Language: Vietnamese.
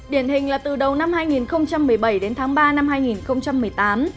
điển hình là từ đầu năm hai nghìn một mươi bảy đến tháng ba năm hai nghìn một mươi tám